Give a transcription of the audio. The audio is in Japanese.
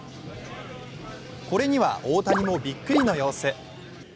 これには大谷もびっくりの様子。